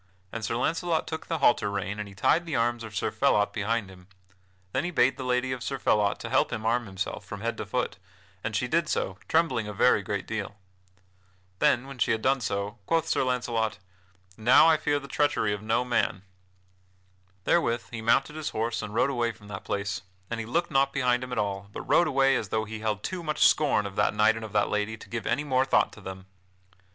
And Sir Launcelot took the halter rein and he tied the arms of Sir Phelot behind him. Then he bade the lady of Sir Phelot to help him arm himself from head to foot, and she did so, trembling a very great deal. Then, when she had done so, quoth Sir Launcelot: "Now I fear the treachery of no man." Therewith he mounted his horse and rode away from that place And he looked not behind him at all, but rode away as though he held too much scorn of that knight and of that lady to give any more thought to them.